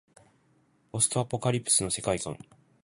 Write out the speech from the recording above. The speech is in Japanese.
ポストアポカリプスの世界観